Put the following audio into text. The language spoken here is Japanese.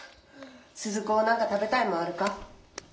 鈴子何か食べたいもんあるか？